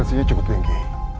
tensinya cukup tinggi